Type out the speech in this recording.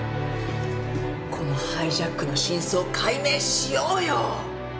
このハイジャックの真相解明しようよ！